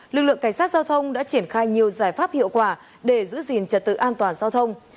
lực lượng cảnh sát giao thông đã triển khai nhiều giải pháp hiệu quả để giữ gìn trật tự an toàn giao thông